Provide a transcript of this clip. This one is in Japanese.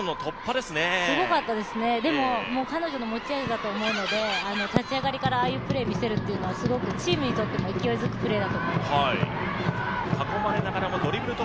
でも彼女の持ち味だと思うので立ち上がりから、ああいうプレーを見せるというのはチームにとっても勢いづくプレーだと思います。